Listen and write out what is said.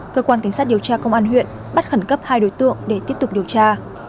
cơ quan cảnh sát điều tra công an huyện bắt khẩn cấp hai đối tượng để tiếp tục điều tra